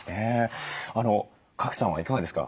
賀来さんはいかがですか？